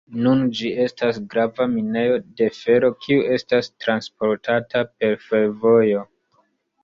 Nun ĝi estas grava minejo de fero kiu estas transportata per fervojo.